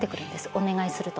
お願いすると。